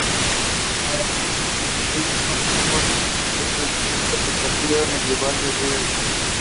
The battery fired its last salvo the following morning.